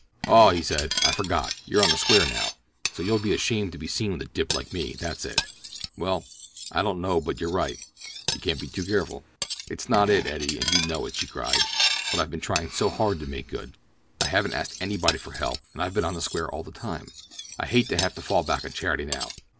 "Oh." he said, "I forgot. You're on the square now, so you'd be ashamed to be seen with a dip like me—that's it. Well, I don't know but you're right. You can't be too careful." "That's not it, Eddie, and you know it," she cried. "But I've been trying so hard to make good! I haven't asked anybody for help, and I've been on the square all the time. I hate to have to fall back on charity now."